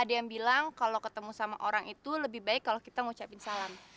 ada yang bilang kalau ketemu sama orang itu lebih baik kalau kita ngucapin salam